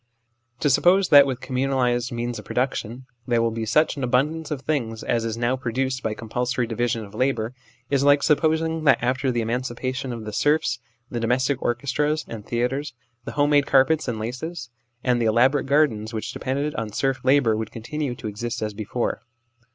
To suppose that with communalised means of production there will be such an abundance of things as is now produced by compulsory division of labour, is like supposing that after the eman cipation of the serfs the domestic orchestras 1 and theatres, the home made carpets and laces, and the elaborate gardens which depended on serf labour would continue to exist as before.